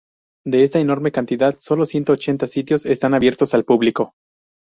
De esta enorme cantidad, sólo ciento ochenta sitios están abiertos al público.